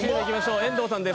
遠藤さんです。